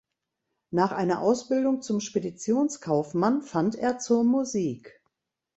Nach einer Ausbildung zum Speditionskaufmann fand er zur Musik.